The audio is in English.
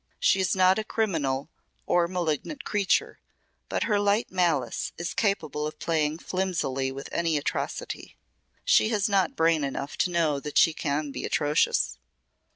She is not a criminal or malignant creature, but her light malice is capable of playing flimsily with any atrocity. She has not brain enough to know that she can be atrocious.